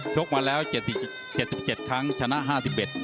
ชกมาแล้ว๗๗ครั้งชนะ๕๑ครั้ง